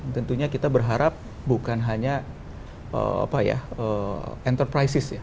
tentunya kita berharap bukan hanya enterprises ya